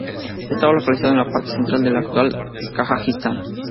Estaba localizado en la parte central de la actual Kazajistán.